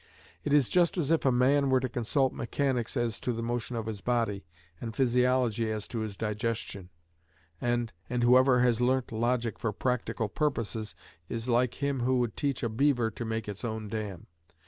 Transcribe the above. It is just as if a man were to consult mechanics as to the motion of his body, and physiology as to his digestion; and whoever has learnt logic for practical purposes is like him who would teach a beaver to make its own dam.